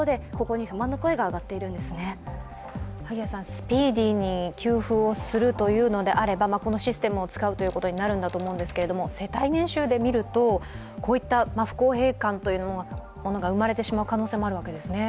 スピーディーに給付するというのであればこのシステムを使うことになるんだと思うんですけども、世帯年収で見ると、こういった不公平感が生まれてしまう可能性もあるわけですね？